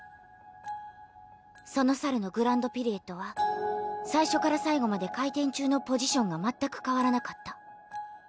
その猿のグランド・ピルエットは最初から最後まで回転中のポジションが全く変わらなかった。